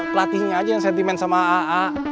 pelatihnya aja yang sentimen sama aa